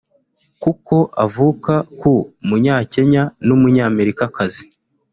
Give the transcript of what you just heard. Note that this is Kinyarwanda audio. kuko avuka ku munyakenya n’umunyamerikakazi